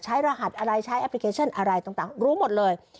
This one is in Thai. รหัสอะไรใช้แอปพลิเคชันอะไรต่างรู้หมดเลย